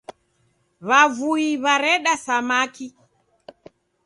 W'avui w'areda samaki.